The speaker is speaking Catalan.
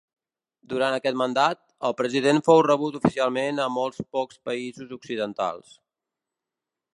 Durant aquest mandat, el president fou rebut oficialment a molt pocs països occidentals.